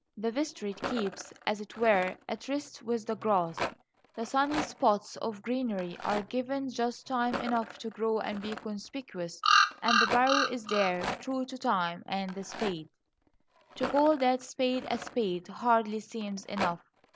The vestry keeps, as it were, a tryst with the grass. The "sunny spots of greenery" are given just time enough to grow and be conspicuous, and the barrow is there, true to time, and the spade. (To call that spade a spade hardly seems enough.)